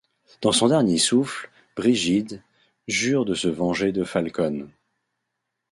Dans son dernier souffle, Brigid jure de se venger de Falcone.